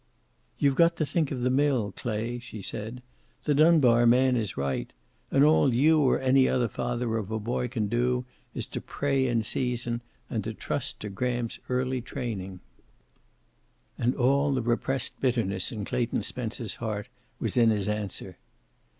"You've got to think of the mill, Clay," she said. "The Dunbar man is right. And all you or any other father of a boy can do is to pray in season, and to trust to Graham's early training." And all the repressed bitterness in Clayton Spencer's heart was in his answer.